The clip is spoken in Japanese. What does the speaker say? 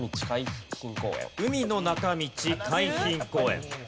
海の中道海浜公園。